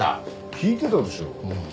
聞いてたでしょ。